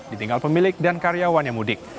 ditinggal pemilik dan karyawannya mudik